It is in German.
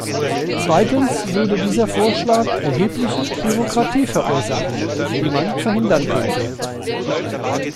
Zweitens würde dieser Vorschlag erhebliche Bürokratie verursachen, die man verhindern könnte.